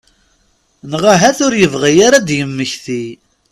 Neɣ ahat ur yebɣi ara ad d-yemmekti.